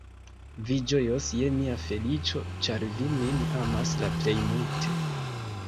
Vi ĝojos je mia feliĉo, ĉar vi min amas la plej multe!